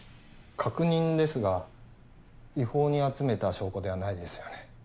確認ですが違法に集めた証拠ではないですよね？